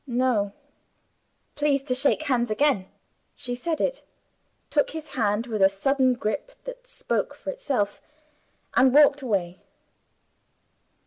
"No." "Please to shake hands again!" She said it took his hand with a sudden grip that spoke for itself and walked away.